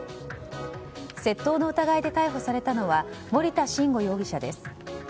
窃盗の疑いで逮捕されたのは森田新吾容疑者です。